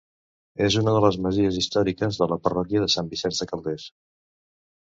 És una de les masies històriques de la parròquia de Sant Vicenç de Calders.